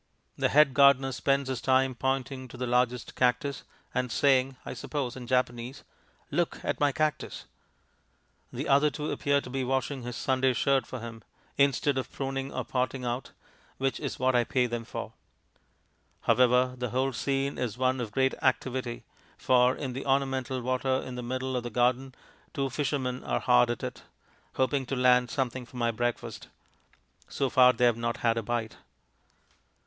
The head gardener spends his time pointing to the largest cactus, and saying (I suppose in Japanese), "Look at my cactus!" The other two appear to be washing his Sunday shirt for him, instead of pruning or potting out, which is what I pay them for. However, the whole scene is one of great activity, for in the ornamental water in the middle of the garden two fishermen are hard at it, hoping to land something for my breakfast. So far they have not had a bite.